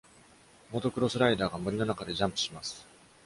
モトクロスライダーが森の中でジャンプします。